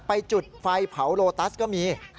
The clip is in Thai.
จุดไฟเผาโลตัสก็มี